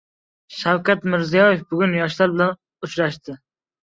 Shavkat Mirziyoyev bugun yoshlar bilan uchrashadi